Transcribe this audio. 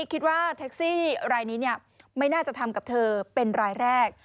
คิดว่าแท็กซี่รายนี้ไม่น่าจะทำกับเธอเป็นรายแรก